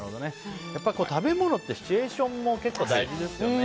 食べ物ってシチュエーションも大事ですよね。